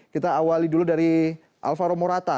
kita awali dulu dari alvaro morata